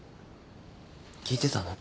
聞いてたの？